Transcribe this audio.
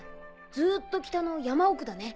ずっと北の山奥だね。